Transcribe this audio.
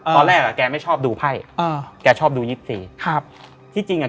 ตอนแรกอ่ะแกไม่ชอบดูไพ่อแกชอบดูยิปซีครับที่จริงอ่ะ